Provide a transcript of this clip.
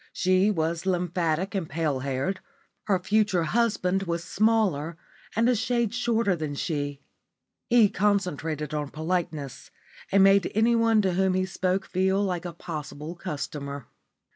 She was lymphatic and pale haired; her future husband was smaller and a shade shorter than she. He concentrated on politeness, and made anyone to whom he spoke feel like a possible customer.